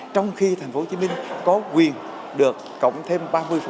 trong khi thành phố hồ chí minh có quyền được cộng thêm ba mươi